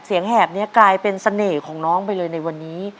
แหบนี้กลายเป็นเสน่ห์ของน้องไปเลยในวันนี้